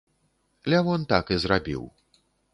Лявон так і зрабіў.